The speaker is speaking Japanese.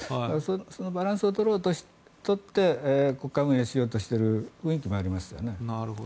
そのバランスを取って国家運営をしようとしている雰囲気もありますよね。